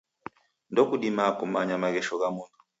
Ndokudimaa kumanya maghesho gha mundu.